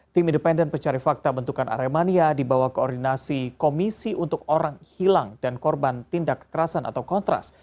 tim independen pencari fakta bentukan aremania dibawa koordinasi komisi untuk orang hilang dan korban tindak kekerasan atau kontras